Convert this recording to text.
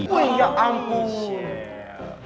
woi ya ampun